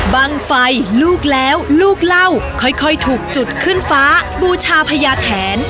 ไฟลูกแล้วลูกเล่าค่อยถูกจุดขึ้นฟ้าบูชาพญาแทน